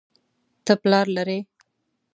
ته پلار لرې